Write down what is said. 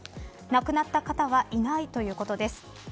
亡くなった方はいないということです。